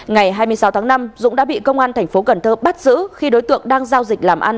ngày hai mươi sáu tháng năm dũng đã bị công an tp cn bắt giữ khi đối tượng đang giao dịch làm ăn